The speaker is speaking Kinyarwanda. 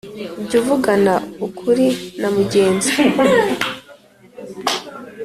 Jya uvugana ukuri na mugenzi